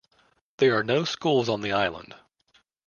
There are no schools on the island.